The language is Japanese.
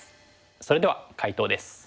それでは解答です。